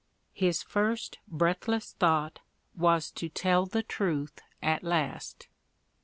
His first breathless thought was to "tell the truth" at last.